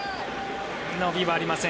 伸びはありません。